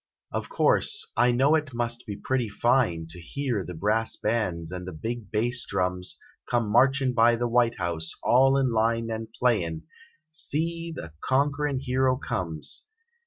Of course, I know it must be pretty fine To hear the brass bands and the big bass drums Come marchin by the White House all in line And playin : "See, the Conquerin Hero Comes!